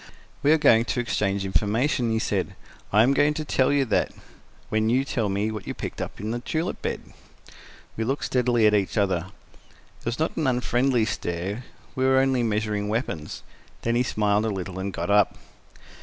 "We are going to exchange information," he said "I am going to tell you that, when you tell me what you picked up in the tulip bed." We looked steadily at each other: it was not an unfriendly stare; we were only measuring weapons. Then he smiled a little and got up.